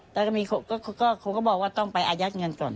แต่ก็มีคุณก็คุณก็บอกว่าต้องอายัดเองก่อน